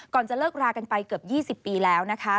จะเลิกรากันไปเกือบ๒๐ปีแล้วนะคะ